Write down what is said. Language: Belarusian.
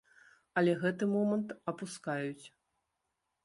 Але гэты момант апускаюць.